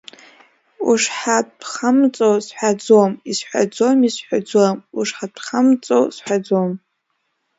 Ушҳәатәхамҵоу сҳәаӡом, исҳәаӡом, исҳәаӡом, ушҳәатәхамҵоу сҳәаӡом!